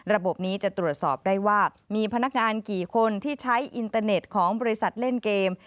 ระบบนี้จะตรวจสอบได้ว่ามีพนักงานกี่คนที่ใช้อินเตอร์เน็ตของบริษัทเล่นเกม